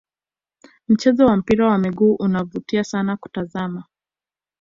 mchezo wa mpira wa miguu unavutia sana kutazama